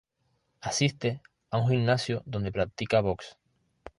Asiste a un gimnasio donde practica box.